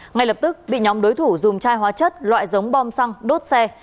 ngay lập tức bị nhóm đối thủ dùng chai hóa chất loại giống bom xăng đốt xe